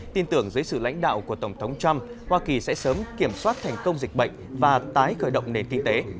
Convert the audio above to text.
tin tưởng dưới sự lãnh đạo của tổng thống trump hoa kỳ sẽ sớm kiểm soát thành công dịch bệnh và tái khởi động nền kinh tế